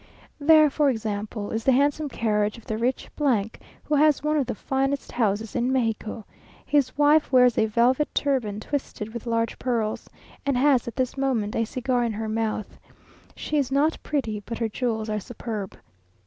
There, for example, is the handsome carriage of the rich , who has one of the finest houses in Mexico; his wife wears a velvet turban twisted with large pearls, and has at this moment a cigar in her mouth. She is not pretty, but her jewels are superb.